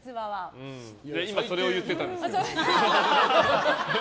今、それを言ってたんですよ。